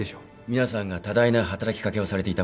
皆さんが多大な働きかけをされていたことは。